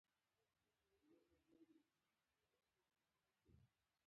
دوی غوښتل چې ما وه میلان ښار ته ولیږي، زه مېلان ته لاړ شم.